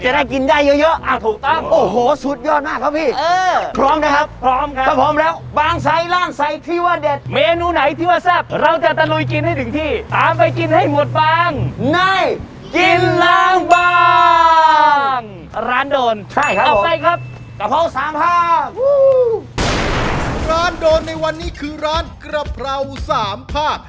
ร้านโดนใช่ครับผมเอาไปครับกระเพราสามภาควู้ร้านโดนในวันนี้คือร้านกระเพราสามภาค